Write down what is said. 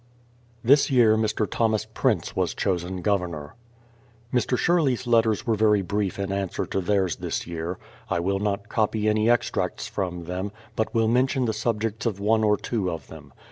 This year Mr. Thomas Prince was chosen Governor. Mr. Sherley's letters were very brief in answer to theirs this year. I will not copy any extracts from them, but will mention the subjects of one or two of them.